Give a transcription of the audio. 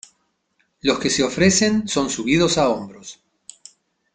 Los que se ofrecen son subidos a hombros.